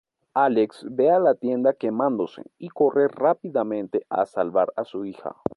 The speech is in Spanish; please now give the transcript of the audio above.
Alex ve a la tienda quemándose y corre rápidamente a salvar a su hija.